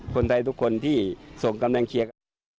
คนไทยทุกคนที่ส่งกำลังเคียง